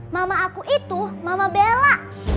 mama aku itu mama bella